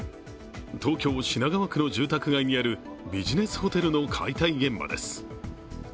東京・品川区に住宅街にあるビジネスモデルの解体現場です。